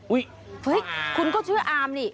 เฮ้ยคุณก็เชื่ออามนี่